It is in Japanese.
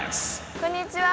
こんにちは！